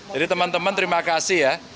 jadi teman teman terima kasih ya